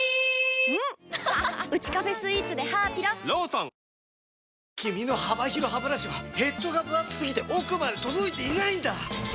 ゾンビ臭に新「アタック抗菌ＥＸ」君の幅広ハブラシはヘッドがぶ厚すぎて奥まで届いていないんだ！